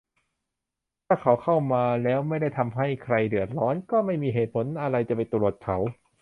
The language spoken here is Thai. ถ้าเขาเข้ามาแล้วไม่ได้ทำให้ใครเดือดร้อน ก็ไม่มีเหตุอะไรจะไปตรวจเขา